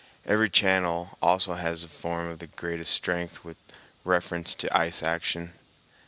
Every channel also has the form of greatest strength with reference to ice action.